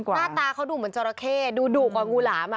หน้าตาเขาดูเหมือนจราเข้ดูดุกว่างูหลาม